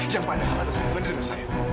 yang padahal gak ada hubungan dengan saya